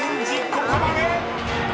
ここまで！］